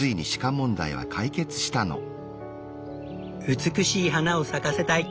美しい花を咲かせたい！